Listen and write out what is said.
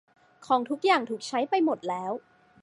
ของทุกอย่างถูกใช้ไปหมดแล้ว